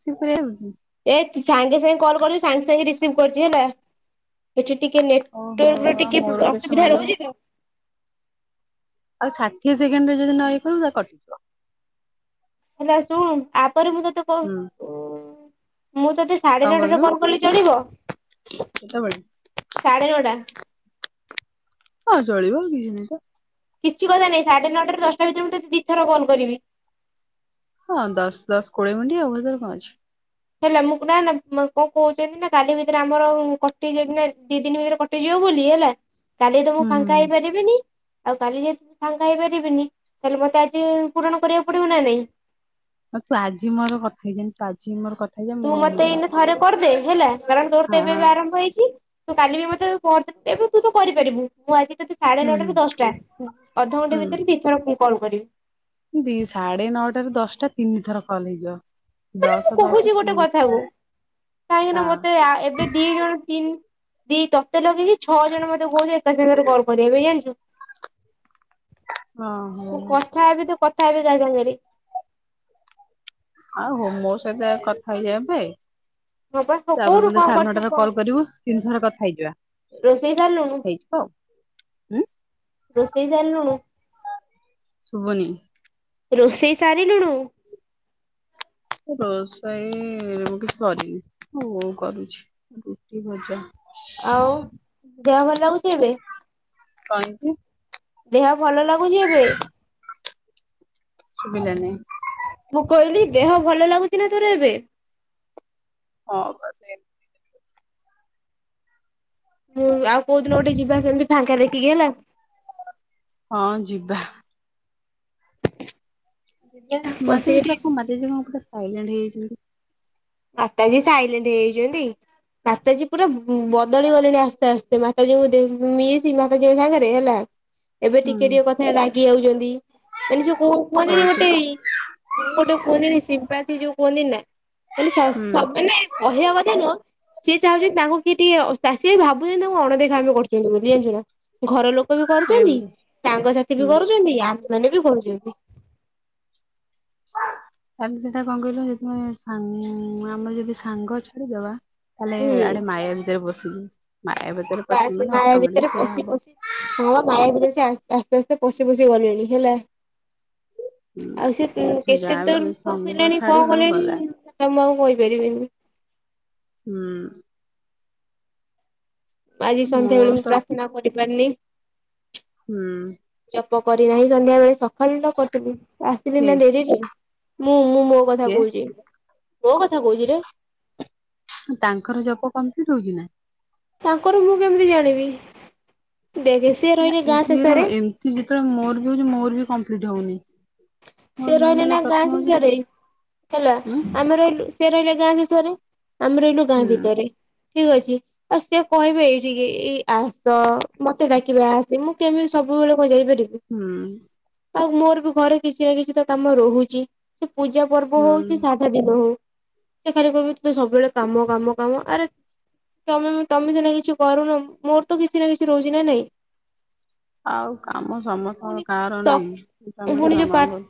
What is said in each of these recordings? ସେ କରି [unintelligible] ଏ ସାଙ୍ଗେ ସାଙ୍ଗେ କଲ୍ କଲି ସାଙ୍ଗେ ସାଙ୍ଗେ ରିସିଭ କରୁଚି ହେଲା। ଏଠି ଟିକେ ଓହୋ ନେଟୱାର୍କ ର ଆଉ ଟିକେ ମୋର କେତେ ସମୟ ଅସୁବିଧା ଲାଗିଲା ରହୁଚି ତ। ଆଉ ଷାଠିଏ ସେକେଣ୍ଡରେ ଯଦି ନ ୟେ କଲୁ ତାହାଲେ କଟିବ। ହେଲା ଶୁଣ ଆପରେ ମୁଁ ତତେ ହୁଁ କହୁ ମୁଁ ତତେ ସାଢ଼େ କଣ ନଅଟାରେ କହିଲୁ କଲ କଲେ ଚଳିବ, କେତେବେଳେ ସାଢ଼େ ନଅଟା? ହଁ ଚଳିବ ଆଉ କିଛି ନାହିଁ ତ। କିଛି କଥା ନାହିଁ ସାଢେ ନ ଟାରୁ ଦଶଟା ଭିତରେ ମୁଁ ତତେ ଦି ଥର କଲ କରିବି। ହଁ ଦଶ ଦଶ କୋଡିଏ ମିନଟ୍ ଆଉ ହେଥିରେ କଣ ଅଛି। ହେଲେ ମୁଁ ନା ନା ମୁଁ କଣ କହୁଚନ୍ତି ନା କାଲି ଭିତରେ ଆମର କଟି ଯି ନା ଦି ଦିନ ଭିତରେ କଟି ଇ ଯିବ ବୋଲି ହେଲା କାଲି ତ ମୁଁ ହୁଁ ଫାଙ୍କା ହୁଁ ହେଇପାରିବିନି ଆଉ କାଲି ଯଦି ମୁ ଫାଙ୍କା ହେଇପାରିବିନି, ତାହେଲେ ମତେ ଆଜି ପୂରଣ କରିବାକୁ ପଡିବ ନା ନାଇଁ। ତୁ ଆଜି ମୋର କଥା ହେଇ ଜା ତୁ ଆଜି ମୋର କଥା ହେଇଯା ତୁ ମୁଁ ମତେ ହେଇଯିବ ଏଇନେ ଥରେ କରିଦେ ହେଲା କାରଣ ତୋର ତ ହଁ ଏବେ ହଁ ଏବେ ଆରମ୍ଭ ହେଇ ଚି ତୁ କାଲି ବି ମତେ କରିଥିଲୁ ଏବେ ତୁ ତ କରିପାରିବୁ ମୁଁ ଆଜି ତତେ ସାଢ଼େ ହୁଁ ନଅଟାରୁୁ ଦଶଟା ହୁଁ ଅଧଘଣ୍ଟା ଭିତରେ ଦିଇଥର କଲ୍ କରିବି। ଦି ସାଢେ ନଅଟା ର ଦଶଟା ତିନି ଥର କଲ୍ ହେଇଯିବ। ଦଶ ଦଶ କହୁଚି ଗୋଟେ କଥା ତିରିଶ କୁ ହଁ କାହିଁକିନା ମତେ ଏବେ ଦି ଜଣ ତିନି ଦି ତତେ ଲଗେଇକି ଛଅ ଜଣ ମତେ କହୁଛ ଏକା ସାଙ୍ଗରେ କଲ କରିବାକୁ ଜାଣିଚୁ। ଓହୋ ମୁଁ କଥା ହେବି ତ କଥା ହେବି କାହା ସାଙ୍ଗରେ? ଆଉ ହୋ ମୋ ସହିତ କଥା ହେଇଯା ଏବେ। ହଁ ପା ତାପରେ କୋଉଠୁ ମୋତେ କଣ ସାଢେ କରୁଛୁ ନଅଟାରେ କହ? କଲ୍ କରିବୁ ତିନି ଥର କଥା ହେଇଯିବା। ରୋଷେଇ ସରିଲୁଣୁ? ହେଇଯିବ ଆଉ ହୁଁ ରୋଷେଇ ସାରିଲୁଣୁ? ଶୁଭନି। ରୋଷେଇ ସାରିଲୁଣୁ? ରୋଷେଇ ମୁଁ କିଛି କରିନି, ବୋଉ କରୁଛି ରୁଟି, ଭଜା। ଆଉ। ଦେହ ଭଲ ଲାଗୁଚି ଏବେ? କ ହେଇଚି? ଦେହ ଭଲ ଲାଗୁଚି ଏବେ? ଶୁଭିଲାନି। ମୁଁ କହିଲି ଦେହ ଭଲ ଲାଗୁଚି ନା ତୋର ଏବେ? ହଁ ବୋଧେ। ମୁଁ ଆଉ କୋଉଦିନ ଗୋଟେ ଯିବା ସେମିତି ଫାଙ୍କା ଦେଖିକି ହେଲା। ହଁ, ଯିବା। ଯିବା ମାଧେଜୀ ପୁରା ବସିକି କଣ ମାଦେଜୀ କଣ ପୁରା ସାଇଲେଣ୍ଟ ହେଇଯାଇଛନ୍ତି। ମାତାଜୀ ସାଇଲେଣ୍ଟ ହେଇଯାଇଛନ୍ତି। ମାତାଜୀ ପୁରା ବଦଳି ଗଲେଣି ଆସ୍ତେ ଆସ୍ତେ ମାତାଜୀଙ୍କୁ ମିଶି ମାତାଜୀଙ୍କ ସାଙ୍ଗରେ ହେଲା। ଏବେ ହୁଁ ଟିକେ ଟିକେ କଥାରେ ରାଗି ଯାଉଛନ୍ତି ମାନେ ସେ କ ମେ ଗୋଟେ। ହଉଥିବ ମୁଁ ଗୋଟେ କୁହନ୍ତିନି ସିମ୍ପାଥି ଯୋଉ କୁହନ୍ତି ନା ମାନେ ହୁଁ ମାନେ କହିବା କଥା ନୁହଁ। ସିଏ ଚାହୁଛନ୍ତି ତାଙ୍କୁ କିଏ ଟିକେ ସେ ଭାବୁଛନ୍ତି ତାଙ୍କୁ ଅଣଦେଖା କରି ରଖିଛନ୍ତି ବୋଲି ଜାଣିଚୁ ନା, ଘର ଲୋକ ଲୋକ ବି କରୁଛନ୍ତି, ଏମିତି ସାଙ୍ଗସାଥି ବି ହୁଁ କରୁଛନ୍ତି, ଆମେ ମାନେ ବି କରୁଛନ୍ତି। ତା ହେଲେ ସେଇଟା କଣ କହିଲୁ। ଯଦି ଆମେ ଯଦି ସାଙ୍ଗ ଛାଡିଦବା ତାହେଲେ ହୁଁ। ଆଡେ ମାୟା ଭିତରେ ପଶୁ ମାୟାବତି। ଥାଆ ସେ ମାୟା ଭିତରେ ପଶି ପଶି। ହଁ ମାୟା ଭିତରେ ସେ ଆସ୍ତେ ଆସ୍ତେ ପଶି ପଶି ଗଲେଣି ହେଲା। ଆଉ ସେ କେତେ ଯାହା ବି ଦୂର ହେଲେ ସଙ୍ଗ ପସିଲେଣି କଣ ଛାଡିବୁ କଲେଣି? ଗଲା ମୁଁ ଆଉ କହି ପାରିବିନି? ହୁଁ ଆଜି ମୋର ସନ୍ଧ୍ୟାବେେଳେ ମୁଁ ତ ପ୍ରାର୍ଥନା କରିପାରିନି। ହୁଁ ଜପ କରିନାହିଁ ସନ୍ଧ୍ୟା ବେଳେ ସକାଳଟା କରିଥିଲି। ଆସିଲି ନା କିଏ ଡେରି ମୁଁ ମୁଁ ମୋ କଥା କିଏ କହୁଛି। କୋଉ କଥା କହୁଛିରେ। ତାଙ୍କର ଜପ କମ୍ପ୍ଲିଟ୍ ହଉଛି ନା? ତାଙ୍କର ମୁଁ କେମିତି ଜାଣିବି? ଦେଖେ ସିଏ ରହିଲି ଗାଁ ଶେଷରେ କି ଯେତେବେଳେ ମୋର ବି ହଉଛି। ମୋର ବି କମ୍ପ୍ଲିଟ୍ ହଉନି। ମୋର ସେ ମେନ୍ ରହିଲେ ହେଲା ନା ଗାଁ ପ୍ରଥମ ହଉଛି ଭିତରେ। ହେଲା ଉଁ ଆମେ ରହିଲୁ ସେ ରହିଲା ଗାଁ ଭିତରେ। ଆମେ ରହିଲୁ ଗାଁ ହୁଁ ଭିତରେ। ଠିକ୍ ଅଛି। ଆଉ ସିଏ କହିବେ ଏଇଠି ଏଇ ଆସ ତୋ ମତେ ଡାକିବେ ଆସ। ମୁଁ କେମିତି ସବୁବେଳେ କଣ ଯାଇପାରିବି? ହୁଁ। ଆଉ ମୋର ବି ଘରେ କିଛି ନା କିଛି ତ କାମ ରହୁଛି। ସେ ପୂଜା ପର୍ବ ହୁଁ ହଉକି ସା ଦିନ ହଉ ସେଖାଲି କହିବେ ତୁ ତ ସବୁବେଳେ କାମ କାମ କାମ ଆରେ ତମେ - ତମେ ସିନା କିଛି କରୁନ। ମୋର ତ କିଛି ନା କିଛି ରହୁଛି ନା ନାଇଁ। ଆଉ କାମ ସମସ୍ତଙ୍କର ପୁଣି କାହାର ତ ନାହିଁ। ତମେ ତ ପୁଣି କଣ ଯୋଉ ପା ମରିଯାଇଛି?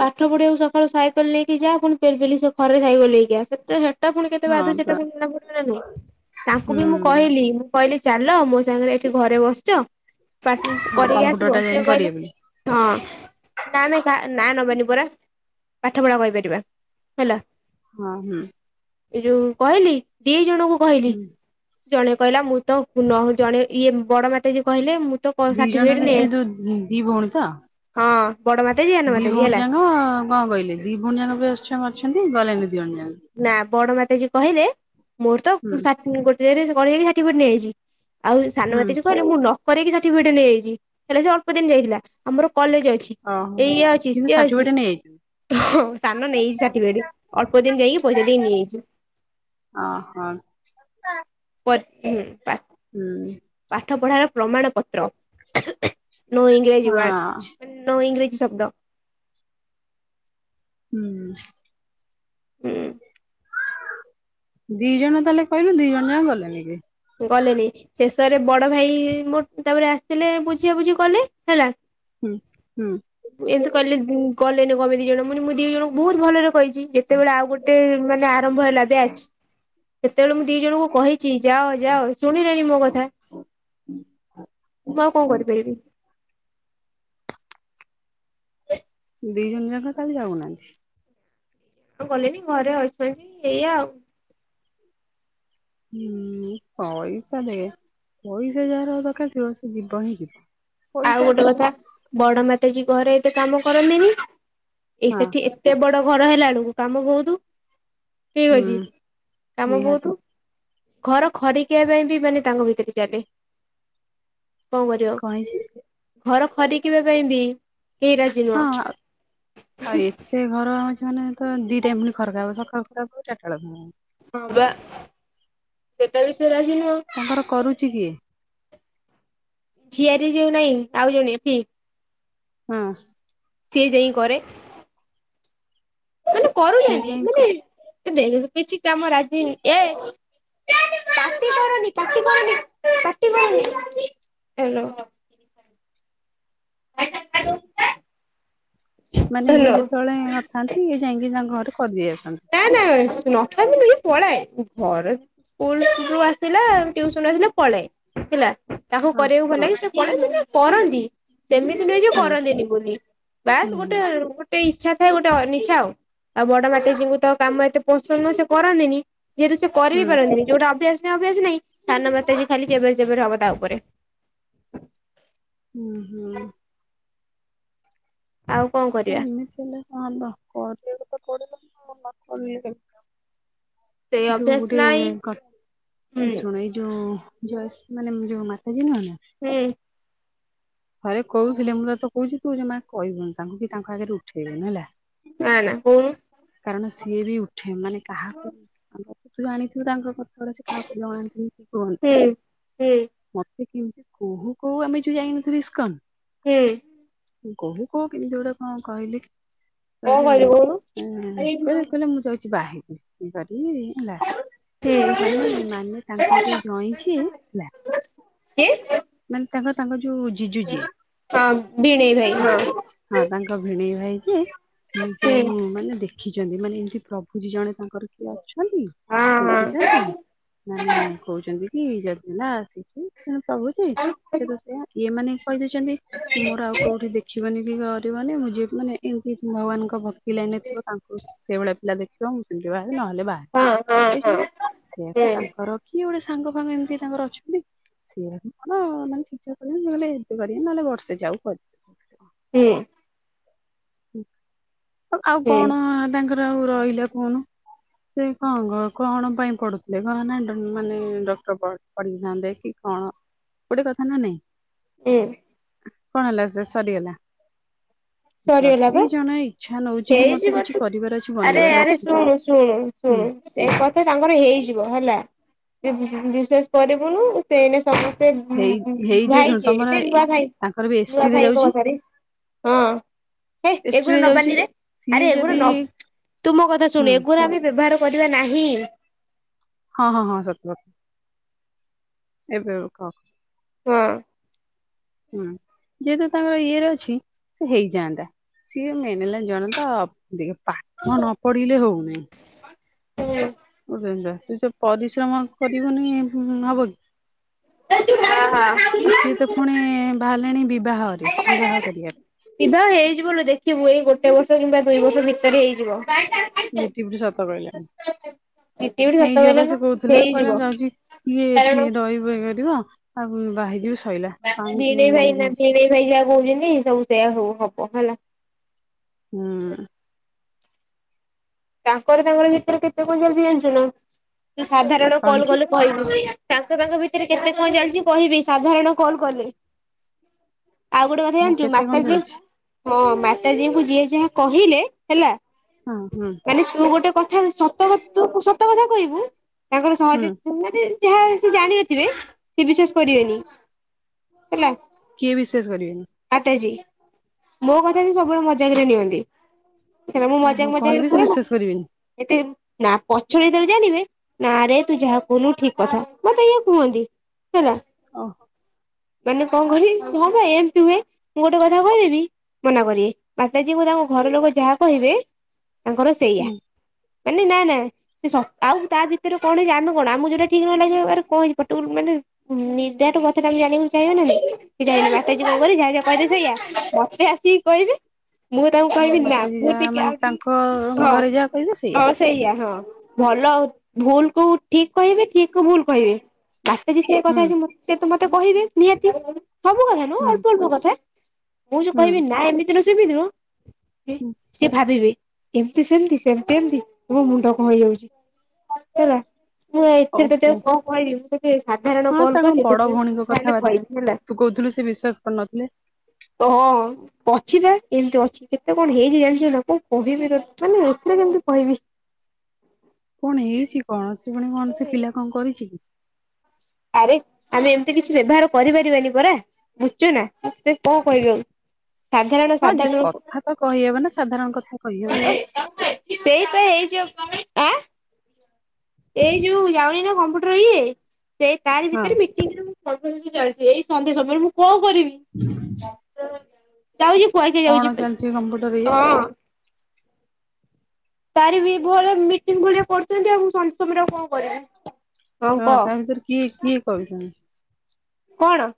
ପାଠ ପଢିବାକୁ ସକାଳୁ ସାଇକେଲ ନେଇକି ଯା। ପୁଣିି ପେଲି ପେଲି ସେ କଡ଼ରେ ସାଇକେଲ ନେଇକି ଆ। କେତେ ଟା ପୁଣି କେତେ ହଁ ବାଧୁଛି ସେଟା ପା ପୁଣି ହୁଁ ମୁଁ କହିଲି କହିଲି ଚାଲ ମୋ ସାଙ୍ଗରେ ଏଠି ଘରେ ବସଛ। ପାଟି ହଁ -କରିକି ଆସି କମ୍ପ୍ୟୁଟର ଟା ବସିବାକୁ ଯାଇକି କହିଲି କରିବେ ବୋଲି। ହଁ ନାବେ ନାଁ ନବାନି ପରା ପାଠ ପଢା କହିପାରିବା ହେଲା। ହଁ ହୁଁ। ଏ ଯୋଉ କହିଲି ଦି ଜଣଙ୍କୁ କହିଲି। ହୁଁ ଜଣେ କହିଲା ମୁଁ ତ ନ ଜଣେ ଇଏ ବଡ ମାତାଜି କହିଲେ ମୁଁ ତ ମୋ ଦି ଜଣ ସର୍ଟିଫିକେଟ ସେ ସେ ଲେସ୍ ଯୋଉ ଦି ଭଉଣୀ ତ? ହଁ ବଡ ମା ଦି ଭଉଣୀ ଯାକ କଣ କହିଲେ। ଦି ଭଉଣୀ ଯାକ ଅଛନ୍ତି ଗଲେନି ଦି ଭଣୀ ଯାକ। ନାଁ ବଡ ମାତାଜି କହିଲେ। ମୋର ତ ହୁଁ ସା ଗୋଟେ ଜାଗାରେ ବଡ଼ ସାଟିଫିକେଟ ନେଇଆଇଛି। ଆଉ ହୁଁ ସାନମାତାଜୀ କହିଲେ। ମୁଁ ନ କରେଇକି ସାର୍ଟିଫିକେଟ ନେଇଯାଇଛି ହେଲେ ସେ ଅଳ୍ପ ଦିନ ଯାଇଥିଲା ଆମର କଲେଜ ଅଛି। ଓହୋ ଏଇଆ ଅଛି କିନ୍ତୁ ସିଏ ଅଛି ସାର୍ଟିଫିକେଟ ନେଇଯାଇଛନ୍ତି। ହଁ ସାନ ନେଇ ସାଠି ବେନି ଅଳ୍ପ ଦିନ ଯାଇକି ପଇସା ଦେଇ ନେଇଆଇଛି। ହଁ ହଁ। ହଁ। ପ [inaudible] ହୁ। ପାଠ ପଢାର ପ୍ରମାଣ ପତ୍ର ନୋ ଇଂଗ୍ରାଜୀ ହଁ ୱାର୍ଡ। ନୋ ଇଂଗ୍ରେଜୀ ଶବ୍ଦ। ହୁଁ ହୁଁ। ହୁଁ। ଦି ଜଣ ତାହେଲେ କହିଲୁ ଦି ଜଣ ଯାକ ଗଲେନି ଯେ। ଗଲେନି ଶେଷରେ ବଡ ଭାଇ ମୋ ତାପରେ ଆସିଥିଲେ ବୁଝିଆ ବୁଝି କଲେ ହେଲା। ହୁଁ ହୁଁ। ଏମତି କହିଲେ ଉଁ ଗଲେନି କଣ ପାଇଁ ଦି ଜଣ ମୁଁ କହିଲି ମୁଁ ଦି ଜଣଙ୍କୁ ବହୁତ ଭଲରେ କହିଚି ଯେତେବେଳେ ଆଉ ଗୋଟେ ମାନେ ଆ ରମ୍ଭ ହେଲା ବ୍ୟାଚ୍ କେତେବେଳେ ମୁଁ ଦି ଜଣଙ୍କୁ କହିଚି ଯାଅ ଯାଅ ଶୁଣିଲେଣି ମୋ କଥା। ମୁଁ ଆଉ କଣ କରିପାରିବି। ଦି ଜଣ ଯାକ ତାହେଲେ ଯାଉନାହାନ୍ତି? ଆଉ ଗଲେନି ଘରେ ଅଛନ୍ତି ଏଇଆ ଆଉ। ଉଁ ପଇସା ଦେ ପଇସା ଯାହାର ଦରକାର ଥିବ ସେ ଯିବ ହିଁ ଯିବ। ଆଉ ପଇସା ଗୋଟେ ଅଛି ସେ କଥା କାହିଁକି ବଡ ମାତାଜୀ ଘରେ ଏତେ କାମ କରନ୍ତିନି ଏଇ ହଁ ସେଠି ଏ ତେ ବଡ ଘର ହେଲା ବେଳକୁ କାମ ବହୁତୁ ଠିକ୍ ହୁଁ ଅଛି କାମ ନିହାତି ବହୁତୁ। ଘର ଖରିକିଆ ପାଇଁ ବି ମାନେ ତାଙ୍କ ଭିତରେ ଚାଲେ। କଣ କରିବା। କାଇଁ ଯିବି। ଘର ଖରିକିବା ପାଇଁ ବି କେହି ରା ହଁ ଆଉ ଆଉ ଏ ସେ ଘର ଅଛି ମାନେ ତ ଦି ଟାଇମ ପୁଣି ଖରାକା ହବ ସକାଳୁ ଥରେ ହବ ଚାରଟା ବେଳେ ପୁଣି। ହଁ ବା ଏଇଟା ବି ସିଏ ରାଜି ନୁହଁ। ତାଙ୍କର କରୁଚି କିଏ? ଝିଆରୀ ଯୋଉ ନାଇଁ ଆଉ ଜଣେ ଏଠି। ହଁ। ସିଏ ଯାଇଁ କରେ। ସିଏ କରୁନାହାନ୍ତି ଯାଇ ମାନେ ଏ ଦେଖେ କିଛି କାମ ରାଜି ଏ ପାଟି କରନି ପାଟି କରନି ପାଟି କରନି ହ୍ୟାଲୋ। ହଁ। ମାନେ ଇଏ ହ୍ୟାଲୋ। ଯେତେବେଳେ ନ ଥାନ୍ତି ଇଏ ଯାଇକି ତାଙ୍କ ଘରେ କରଦେଇ ଆସ ନା ନା ନ ଥାନ୍ତି ବୋଲି ପଳାଏ ଘରେ ସ୍କୁଲ ରୁ ଆସିଲେ ଟ୍ୟୁସନ୍ ରୁ ଆସିଲେ ପଳାଏ ହେଲା। ତାକୁ ହଁ କରିଆକୁ ଭଲ ହଁ ଲାଗେ ସେ ପଳାଏ ମାନେ କରନ୍ତି। ସେମିତି ନୁହେଁ ଯ ହୁଁ କରନ୍ତିନି ବୋଲି ହୁଁ ବାସ୍ ଗୋଟେ ହୁଁ ଗୋ ଟେ ଇଛା ଥାଏ ଗୋଟେ ଅନିଚ୍ଛା ଆଉ ଆଉ ବଡ ମାତାଜୀ ଙ୍କୁ ତ କାମ ଏତେ ପସନ୍ଦ ନୁହେଁ ସିଏ କରନ୍ତିନି ଯେହେତୁ ସିଏ କରିବି ହୁଁ ପାରନ୍ତିନି ଯୋଉଟା ଅଭ୍ୟାସ ନାହିଁ ଅଭ୍ୟାସ ନାଇଁ। ସାନ ମାତାଜୀ ଖାଲି ଚେବେରେ ଚେବେରେ ହବ ତା ଉପରେ। ହୁଁ ହୁଁ। ଆଉ କଣ କର ନାଇଁ ଏମିତି ହେଲେ କଣ ହବ କରିଆକୁ ତ ପଡିବ ଆଉ ନ କଲେ କେମତି ସେଇ ହବ। ଯୋଉ ଅଭ୍ୟାସ ଗୋଟେ ନାହିଁ କ ହୁଁ ଏ ଶୁଣ ଏଇ ଯୋଉ ଜ ସ୍ ମାନେ ଯୋଉ ମାତାଜୀ ନୁହ ନା ହୁଁ। ଘରେ କହୁଥିଲେ ମୁଁ ତତେ କହୁଚି ତୁ ଯମା କହିବୁନି। ତାଙ୍କୁ କି ତାଙ୍କ ଆଗରେ ଉଠେଇବୁନି ହେଲା। ନା ନା କଉନୁ। କାରଣ ସିଏ ବି ଉଠେ ମାନେ କାହାକୁ ଆମେ [inaudible] ତୁ ଜାଣିଥିବୁ ତାଙ୍କ କଥା ଗୁଡା ସିଏ ଆଉ ଜଣାନ୍ତିନି କି କୁହନ୍ତିନି ହୁଁ ହୁଁ [unintelligible] ସେ କେମିତି କହୁ କହୁ ଆମେ ଯୋଉ ଯାଇନଥିଲୁ ଇସ୍କନ। ହୁଁ। କହୁ କହୁ କେମିତି ଜୋର କଣ କହିଲି କଣ କହିଲେ କହିଲୁ କହୁନୁ କହିଲେ କହିଲେ ମୁଁ ଯାଉଛି ବାହା ହେବି ହେଲା। ହୁଁ ମାନେ ମାନେ ତାଙ୍କ ଯୋଉ ଜଇଁ ଯିଏ ହେଲା। କିଏ? ମାନେ ତାଙ୍କ ତାଙ୍କ ଯୋଉ ଜିଜୁ ଯିଏ। ହଁ ଭିଣୋଇ ଭା ହେଲା ବନଇ ହଁ। ହଁ ତାଙ୍କ ଭିଣେଇ ଭାଇ ଯିଏ ସେ ହୁଁ ଯୋଉ ମାନେ ଦେଖ ଦେଖିଛନ୍ତି ମାନେ ଏମିତି ପ୍ରଭୁଜୀ ଜଣେ ତାଙ୍କର ସେ ଅଛନ୍ତି ହଁ ହଁ। ଦେଖିଛନ୍ତି ମାନେ କହୁଛନ୍ତି କି ଯନା ଆସି ତେଣୁ ପ୍ରଭୁଜି ସେ ତ ସେଇଆ ଇଏମାନେ କହିଦେଇଛନ୍ତି କି ମୋର ଆଉ କୋଉଠି ଦେଖ ଦେଖିବନି କି କରିବନି ମୁଁ ଯ ମାନେ ଏମିତି ଭଗବାନଙ୍କ ଭକ୍ତି ଲାଇନ ରେ ଥିବ ତାଙ୍କୁ ସେଇଭଳିଆ ପିଲା ଦେଖି କହିଛନ୍ତି ସେମିତି ବାହା ହେବି ନହେଲେ ବାହା ହଁ ହଁ ହଁ ହେବିନି ରେ କହିଛନ୍ତି ହୁଁ ସେଆକୁୁ ତାଙ୍କର କିଏ ଗୋଟେ ସାଙ୍ଗ ଫାଙ୍ଗ ଏମିତି ତାଙ୍କର ଅଛନ୍ତି। [unintelligible] ହୁଁ। ଆଉ ହୁଁ କଣ ତାଙ୍କର ଆଉ ରହିଲା କହୁନୁ। ସେ କଣ କ କଣ ପାଇଁ ପଢୁଥିଲେ କହ ନା ମାନେ ଡ ଡକ୍ଟର ପ ପଢିଥାନ୍ତେ କି କଣ ଗୋଟେ କଥା ନ ନାଇଁ। ହୁଁ। କଣ ହେଲା ସେ ସରିଗଲା। ସରିଗଲା ଯଦି ବା ଜଣେ ଇଚ୍ଛା ନଉଛି କି ମତେ ହେଇଜିବ କିଛି କରିବାର ଅଛି ଆରେ ବନିବାର ଆରେ ଅଛି ଶୁଣୁ ଶୁଣୁ ଶୁଣୁ ହୁଁ ସେ କଥା ତାଙ୍କର ହେଇଯିବ ହେଲା ସେ ବିଶ୍ଵାସ କରିବୁନୁ ସେ ଏଇନେ ସମସ୍ତେ ହେଇ ହେଇ ଯେ ଶୁଣ ଭାଇଛିି ତମର ଏବେ ନୂଆ ଭାଇ ତାଙ୍କର ବି ଏସ୍ ଟି ନୂଆ ରେ ଭାଇଙ୍କ ଯାଉଛି କଥାରେ। ହଁ ହେ ଏସ୍ ଟି ଏଗୁରା ଯାଉଛି ନବାନି ରେ ସିଏ ଆରେ ଏଗୁରା ଯଦି ନ ତୁ ମୋ କଥା ହୁଁ ଶୁଣେ ଏଗୁରା ତାକୁ ଆମେ ବ୍ୟବହାର କରିବା ନାହିଁ। ହଁ ହଁ ହଁ ସତ ଏବେ କ ହଁ। ହୁଁ ଯେହେତୁ ତାଙ୍କର ଇଏରେ ଅଛି ହେଇଯାଆନ୍ତା। ସିଏ ମେନ ହେଲା ଜଣେ ତ ଟିକେ ପାଠ ନ ପଢିଲେ ହଉନି। ହୁଁ। ବୁଝୁଛ ତ ସେ ପରିଶ୍ରମ କରିବୁନି ହବ କି? ଆଉ ସିଏ ତ ପୁଣି ବିବାହ ବାହାରିଲେଣି ବିବାହରେ ବିବାହ କରିବା ସିଧା ହେଇଯିବନୁ ଦେଖିବୁ ଏଇ ଗୋଟେ ବର୍ଷ କିମ୍ବା ଦୁଇ ବର୍ଷ ଭିତରେ ହେଇଯିବ। ଝିଟି ପିଟି ସତ କହିଲା। ଏତେ ବି ସତ ହେଇ କହିଲା ଯିବାପା ସେ ନୁହଁ କହୁଥିଲେ ହେଇଯିବ କହିଲେ ମୁ ଯାଉଛି ଇଏ କାରଣ ଏଠି ରହିବ ହେଇ କରିବ। ଆଉ ବାହା ସ୍ ତାଙ୍କ ଭିଣେଇ ଭାଇ ନା ଭିଣେଇ ଭାଇ ଯାହା କହୁଛନ୍ତି ସବୁ ସେୟା ହଉ ହବ ହେଲା। ହଁ। ତାଙ୍କର ତାଙ୍କର ଭିତରେ କେତେ କଣ ଚାଲିଛି ଜାଣିଛୁ ନା ତୁ ସାଧାରଣ କଣ କଲ୍ ହେଇଛି କଲେ କହିବି ତାଙ୍କ ତାଙ୍କ ଭିତରେ କେତେ କଣ ଚାଲିଛି କହିବି ସାଧାରଣ କଲ କଲେ। ଆଉ ଗୋଟେ କଥା ମୁଁ ଜାଣିଛୁ କେତେ କଣ ମାତାଜି ଚାଲିଛି ହଁ ମାତାଜୀଙ୍କୁ ଯିଏ ଯାହା କହିଲେ ହେଲା। ହଁ ହଁ। ମାନେ ତୁ ଗୋଟେ କଥା ସତୁ ସତ କଥା କହିବୁ ତାଙ୍କର ହୁଁ ସହଜେ ତୁ ମାନେ ଯାହା ସେ ଜାଣିିନଥିବେ ସେ ବିଶ୍ୱାସ କରିବେନି ହେଲା। କିଏ ବିଶ୍ୱାସ କରିବେନି। ଆଟାଜୀ ମୋ କଥା ସବୁବେଳେ ମଜାକରେ ନିଅନ୍ତି ହେଲେ ମୁଁ ଓହୋ ମଜାକ କହିଲେ ମଜାକରେ ସେ କୁହେ ବିଶ୍ୱାସ କରିବେନି। ଏତେ ନା ପଛରେ ଜେତେବେଳେ ଜାଣିବେ ନା ରେ ତୁ ଯାହା କହୁନୁ ଠିକ କଥା ମତେ ଇଏ କୁହନ୍ତି ହେଲା। ଓୋ। ମାନେ କଣ କରିବି ମୁଁ ଏମିତି ହୁଏ ମୁଁ ଗୋଟେ କଥା କହିଦେବି। ମନା କରିବେ। ମାତାଜୀ ଓ ତାଙ୍କ ଘର ଲୋକ ଯାହା କହିବେ ତାଙ୍କର ସେୟା। ହୁଁ ମାନେ ନା ନା! କିସ? ଆଉ ତା ଭିତରୁ କଣ ଜାଣିନୁ କଣ ଆମକୁ ଯୋଉଟା ଠିକ ନ ଲାଗିଛି କଣ ହେଇଛି କଟକରୁ ମାନେ ନିଦାଟୁ ମତେ କାଲି [inaudible] ଜାଣିବାକୁ ଚାହିଁବ ନା ନାଇ ଜାଣିବା ପୁର୍ବରୁ ଯାହା କହିଥିଲି ସେଇୟା ମତେ [inaudible] କହିବେ ମୁଁ ତାଙ୍କୁ ହଁ କହିବି ନା ମାତାଜୀ ମୁଁ ଯାହା ଟିକେ ମାନେ ତାଙ୍କ ଆଉ ଘରେ ଯାହା କହିବେ ହଁ ସେଇଆ ହଁ ଭଲ ଆଉ ଭୁଲ କୁ ଠିକ କହିବେ ଠିକ କୁ ଭୁଲ କହିବେ! ମାତାଜୀ ସେ ହୁଁ କଥା ହେଇଛି ସେ ତ ମତେ କହିବେ ନିହାତି ସବୁ କଥା ନୁହଁ ହୁଁ ଅଳ୍ପ ଅଳ୍ପ କଥା। ମୁଁ ଯୋଉ ହୁଁ କହିବି ନା ଏମିତି ନୁହଁ ସେମିତି ନୁହଁ ହୁଁ ସେ ଭାବିବେ। ଏମିତି ସେମିତି ସେମିତି ଏମିତି ମୋ ମୁଣ୍ଡ କଣ ହେଇଯାଉଛି! ହେଲା। ମୁଁ ଏଥିରେ [inaudible] ଓହୋ କଣ କହିଲି ସେ ସାଧାରଣ ହଁ କଣ ତାଙ୍କ କଲେ ବଡ କେତେବେଳ ଭଉଣୀଙ୍କ ଫାଙ୍କା କଥା ହେଲେ କହିବି ହେଲା। ତୁ କହୁଥିଲୁ ସେ ବିଶ୍ଵାସ କରିନଥିଲେ ହଁ ଅଛି ବା ଏମତି ଅଛି। କେତେ କଣ ହେଇଛି ଜାଣିଛ ନା? କଣ କହିବି ତ ମାନେ ଏଥିରେ କେମିତି କହିବି! କଣ ହେଇଛି କଣ ସେ ପୁଣି କଣ ସେ ପିଲା କଣ କରିଛି କି? ଆରେ ଆମେ ଏମିତି କିଛି ବ୍ୟବହାର କରିପାରିବାନି ପରା। ବୁଝୁଛୁନା? ମୁଁ ତତେ କଣ କହିବ ଆଉ? ସାଧାରଣ ହଁ ଯେ ସାଧାରଣ କଥା ତ କହି ହବ ନା ସାଧାରଣ କଥା କହି ହବ ତ। [inaudible] ଏଇ ଯୋଉ ଯାଉନି ନା କମ୍ପୁଟର ଇଏ ସେ ତାରି ହଁ ଭିତରେ ମିଟିଂ ରେ ମୁଁ [inaudible] ଚାଲିଛି ଏଇ ସନ୍ଧ୍ୟା ସମୟରେ ମୁଁ କଣ କରିବି? ହ [unintelligible] ଚାଲିଛି କମ୍ପ୍ୟୁଟର ଇଏ ହଁ ତାରି ବି ଭ ମିଟିଙ୍ଗ ଭଳିଆ କରୁଛନ୍ତି ଆଉ ମୁଁ [inaudible] ସମୟରେ ଆଉ କଣ କରିବି? ହଁ ତା ଭିତରେ କିଏ କିଏ କହୁଛନ୍ତି? କଣ?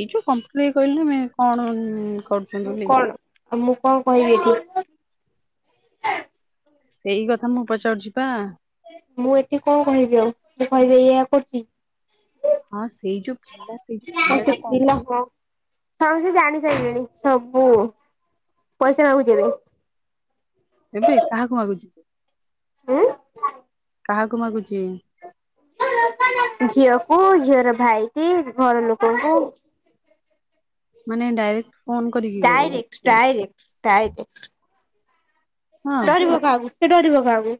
ଏଇ ଯୋଉ କମ୍ପଟର କହିଲନି [inaudible] ମୁ କଣ କରୁଚ ମୁଁ କଣ ମୁଁ କଣ କହିବି ଏଠି? ସେଇ କଥା ମୁଁ ପଚାରୁଛି ବା! ମୁଁ ଏଠି କଣ କହିବି ଆଉ? ମୁଁ କହିବି ଏଇଆ କରୁଛି? ହଁ ସେଇ ଯୋଉ ପିଲା ସେଇ ଯୋଉ ଆଉ ପିଲା ସେ ଟା କଣ? [inaudible] ହଁ ସମସ୍ତେ ଜାଣି ସାରିଲେଣି ସବୁ। ପଇସା ମାଗୁଛି ଏବେ। ଏବେ କାହାକୁ ମାଗୁଚି [inaudible] ଏଁ? କାହାକୁ ମାଗୁଛି? ଝିଅକୁ। ଝିଅର ଭାଇ କି, ଘର ଲୋକଙ୍କୁ। ମାନେ ଡାଇରେକ୍ଟ ଫୋନ କରିକି ଡାଇରେକ୍ଟ କହୁଛି ଡାଇରେକ୍ଟ ଡାଇରେକ୍ଟ। ହଁ ଡରିବ କାହାକୁ? ସେ ଡରିବ କାହାକୁ?